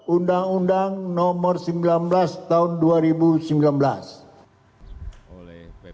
undang undang nomor sembilan belas tahun dua ribu sembilan belas